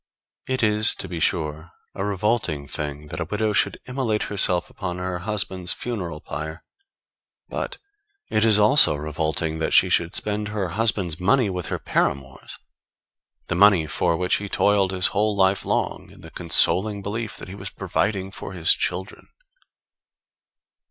It is, to be sure, a revolting thing that a widow should immolate herself upon her husband's funeral pyre; but it is also revolting that she should spend her husband's money with her paramours the money for which he toiled his whole life long, in the consoling belief that he was providing for his children.